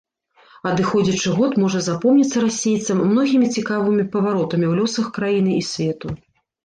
Адыходзячы год можа запомніцца расейцам многімі цікавымі паваротамі ў лёсах краіны і свету.